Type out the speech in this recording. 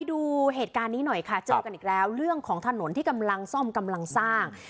ดูเหตุการณ์นี้หน่อยค่ะเจอกันอีกแล้วเรื่องของถนนที่กำลังซ่อมกำลังสร้าง